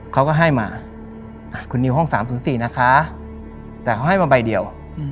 เขาก็ให้มาคุณนิวห้อง๓๐๔นะคะแต่เขาให้มาใบเดียว